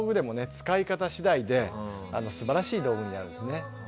使い方次第で素晴らしい道具になるんですね。